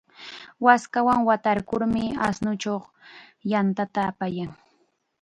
Waskawan watarkurmi ashnuchaw yantata apayan.